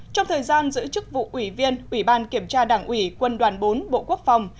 trong thời gian giữ chức vụ ủy viên ủy ban kiểm tra đảng ủy quân đoàn bốn bộ quốc phòng